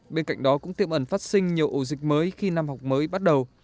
bên cạnh đó cũng tiêm ẩn phát sinh nhiều ổ dịch mới khi năm học mới bắt đầu